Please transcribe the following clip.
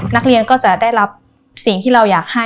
นักเรียนก็จะได้รับสิ่งที่เราอยากให้